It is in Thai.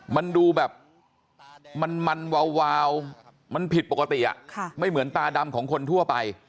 มันดูแบบมันวาวมันผิดปกติไม่เหมือนตาดำของคนทั่วไป